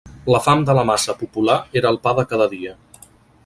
La fam de la massa popular era el pa de cada dia.